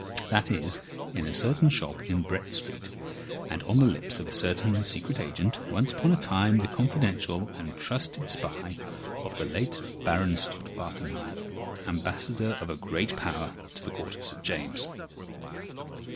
That is in a certain shop in Brett Street, and on the lips of a certain secret agent once upon a time the confidential and trusted spy of the late Baron Stott Wartenheim, Ambassador of a Great Power to the Court of St James."